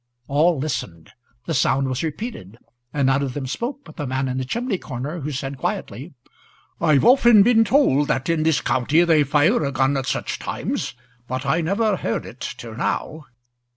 All listened. The sound was repeated, and none of them spoke but the man in the chimney corner, who said quietly, "I've often been told that in this county they fire a gun at such times, but I never heard it till now."